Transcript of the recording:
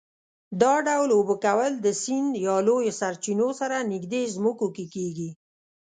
دا ډول اوبه کول د سیند یا لویو سرچینو سره نږدې ځمکو کې کېږي.